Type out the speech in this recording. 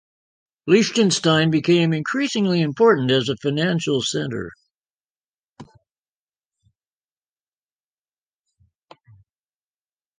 Liechtenstein became increasingly important as a financial center.